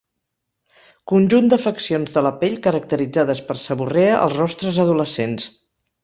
Conjunt d'afeccions de la pell caracteritzades per seborrea als rostres adolescents.